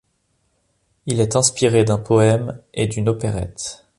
Il est inspiré d'un poème et d'une opérette.